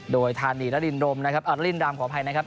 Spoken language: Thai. โดยทานีระลินลประเภทภายนะครับ